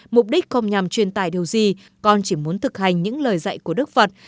mục đích không nhằm truyền tải điều gì con chỉ muốn thực hành những lời dạy của đức phật